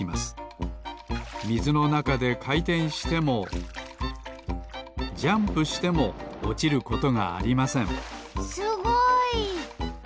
みずのなかでかいてんしてもジャンプしてもおちることがありませんすごい！